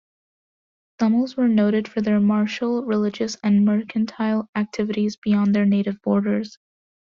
Tamils were noted for their martial, religious and mercantile activities beyond their native borders.